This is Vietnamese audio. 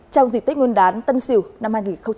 trong dịch tích nguồn đán tân sỉu năm hai nghìn hai mươi một